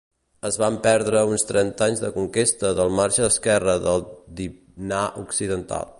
Es van perdre uns trenta anys de conquesta del marge esquerre del Dvinà Occidental.